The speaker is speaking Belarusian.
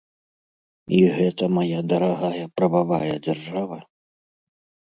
І гэта мая дарагая прававая дзяржава?